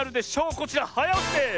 こちらはやおしです！